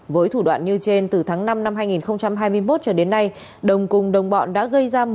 với thủ đoạn như trên từ tháng năm năm hai nghìn hai mươi một cho đến nay đồng cùng đồng bọn đã gây ra